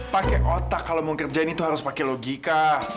pakai otak kalau mau ngerjain itu harus pakai logika